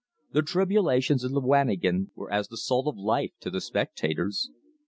The tribulations of the wanigan were as the salt of life to the spectators.